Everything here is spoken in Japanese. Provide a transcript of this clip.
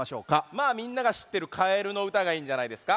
まあみんながしってる「かえるのうた」がいいんじゃないですか。